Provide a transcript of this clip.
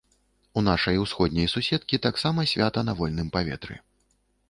У нашай усходняй суседкі таксама свята на вольным паветры.